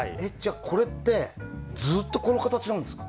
これってずっとこの形なんですか？